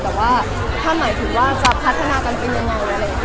แต่ว่าถ้าหมายถึงว่าจะพัฒนากันเป็นยังไง